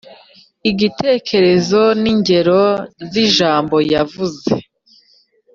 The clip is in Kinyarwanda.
igitekerezo n’ingero z’ijambo yavuze